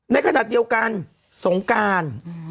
ในขณะเดียวกันสงการ